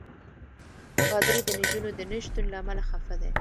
پادري د نجونو د نه شتون له امله خفه دی.